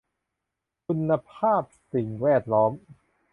คุณภาพสิ่งแวดล้อม